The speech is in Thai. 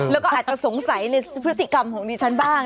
แล้วก็อาจจะสงสัยในพฤติกรรมของดิฉันบ้าง